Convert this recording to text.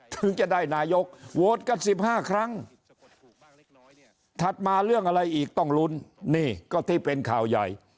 ถึงจะได้นายกโหวตกัน๑๕ครั้งถัดมาเรื่องอะไรอีกต้องลุ้นนี่ก็ที่เป็นข่าวใหญ่